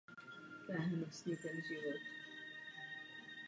Kořeny geografie náboženství sahají až do antiky.